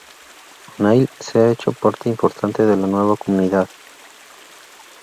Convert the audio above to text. O'Neill se ha hecho parte importante de la nueva comunidad.